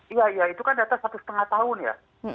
iya iya itu kan data satu setengah tahun ya